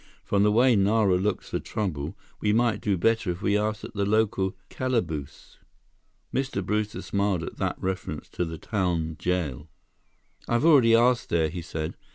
"From the way Nara looks for trouble, we might do better if we asked at the local calaboose." Mr. Brewster smiled at that reference to the town jail. "I've already asked there," he said.